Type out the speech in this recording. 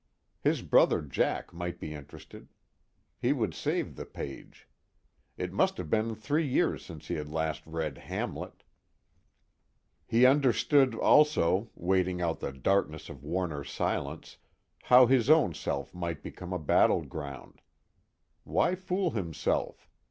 His brother Jack might be interested; he would save the page. It must have been three years since he had last read Hamlet. He understood also, waiting out the darkness of Warner's silence, how his own self might become a battleground. Why fool himself?